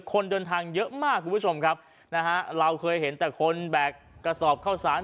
คนเดินทางเยอะมากคุณผู้ชมครับนะฮะเราเคยเห็นแต่คนแบกกระสอบเข้าสาร